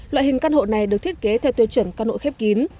loại hình căn hộ này được thiết kế theo tiêu chuẩn căn hộ khép kín